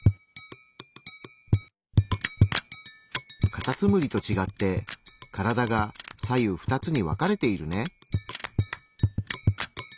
カタツムリと違って体が左右２つに分かれているね。